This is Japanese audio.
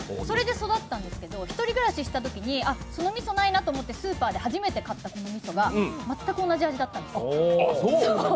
それで育ったんですけど１人暮らししたときにそのみそないなと思ってスーパーで初めて買ったみそが全く同じ味だったんです。